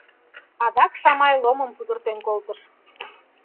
Адак Шамай ломым пудыртен колтыш.